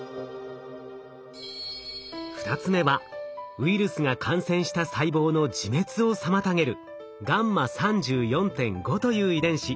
２つ目はウイルスが感染した細胞の自滅を妨げるγ３４．５という遺伝子。